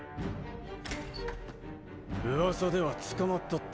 噂では捕まったって。